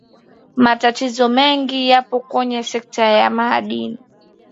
matatizo mengi yapo kwenye sekta ya madini